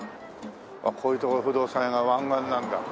あっこういう所不動産屋が湾岸なんだ。